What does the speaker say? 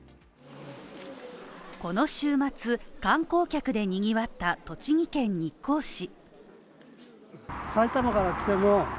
この週末、観光客でにぎわった栃木県日光市。